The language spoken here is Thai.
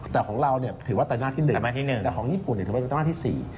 แต่ของเราถือว่าไตรมาสที่๑แต่ของญี่ปุ่นถือว่าเป็นไตรมาสที่๔